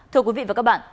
thưa quý vị và các bạn